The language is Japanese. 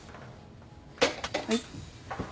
はい。